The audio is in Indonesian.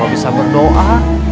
coba bisa berdoa